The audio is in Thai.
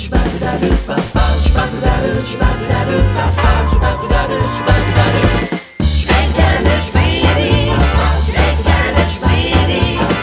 เด็กแกเด็กสีดี